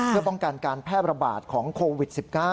เพื่อป้องกันการแพร่ระบาดของโควิด๑๙